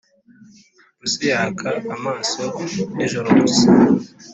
Ipusi yaka amaso nijoro gusa